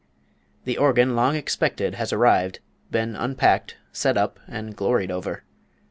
"The organ long expected has arrived, been unpacked, set up, and gloried over.